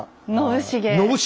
信繁。